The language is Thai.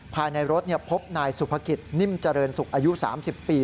ภายในรถพบนายสุภกิจนิ่มเจริญศุกร์อายุ๓๐ปี